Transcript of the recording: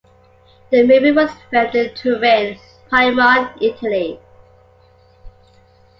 The movie was filmed in Turin, Piedmont, Italy.